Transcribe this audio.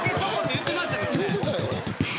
言うてたよ。